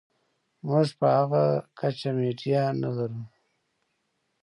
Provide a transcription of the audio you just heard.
موږ په هغه کچه میډیا نلرو.